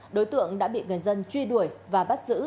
đối tượng đã bị người dân truy đuổi và bắt giữ